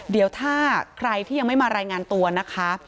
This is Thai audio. เดี๋ยวถ้าใครที่ยังไม่มารายงานตัวนะคะ